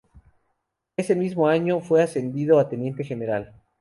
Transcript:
Ese mismo año, fue ascendido a teniente general.